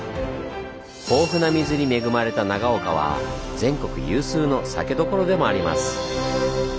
豊富な水に恵まれた長岡は全国有数の酒どころでもあります。